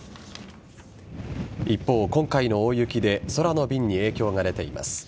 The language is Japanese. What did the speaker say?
一方、今回の大雪で空の便に影響が出ています。